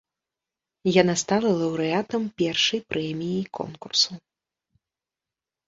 Яна стала лаўрэатам першай прэміяй конкурсу.